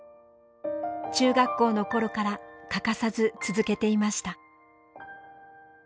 中学校の頃から欠かさず続けていました。